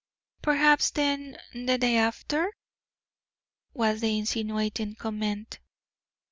"Perhaps, then, the day after?" was the insinuating comment.